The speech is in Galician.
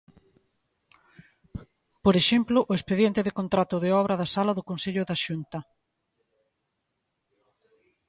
Por exemplo, o expediente de contrato de obra da sala do Consello da Xunta.